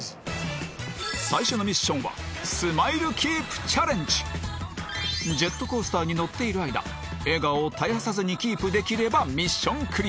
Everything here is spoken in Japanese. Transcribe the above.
最初のミッションはジェットコースターに乗っている間笑顔を絶やさずにキープできればミッションクリア